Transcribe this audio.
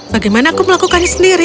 bagaimana aku melakukannya sendiri